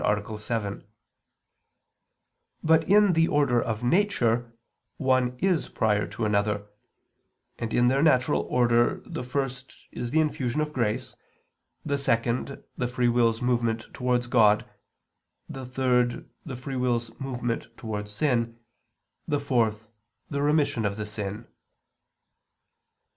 7); but in the order of nature, one is prior to another; and in their natural order the first is the infusion of grace; the second, the free will's movement towards God; the third, the free will's movement towards sin; the fourth, the remission of sin.